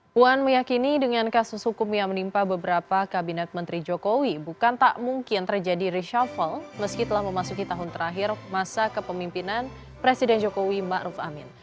puan meyakini dengan kasus hukum yang menimpa beberapa kabinet menteri jokowi bukan tak mungkin terjadi reshuffle meski telah memasuki tahun terakhir masa kepemimpinan presiden jokowi ⁇ maruf ⁇ amin